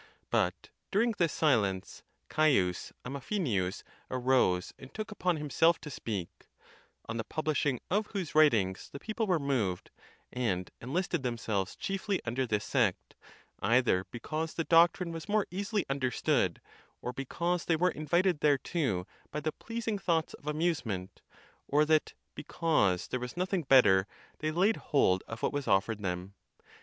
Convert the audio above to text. But, during this silence, C. Amafinius arose and took upon him self to speak; on the publishing of whose writings the people were moved, and enlisted themselves chiefly under this sect, either because the doctrine was more easily understood, or because they were invited thereto by the pleasing thoughts of amusement, or that, because there was nothing better, they laid hold of what was offered them.